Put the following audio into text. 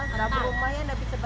dapat nafas rasanya kan